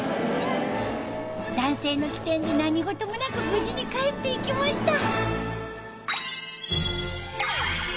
男性の機転に何事もなく無事に帰っていきました。